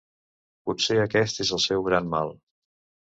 Potser aquest és el seu gran mal.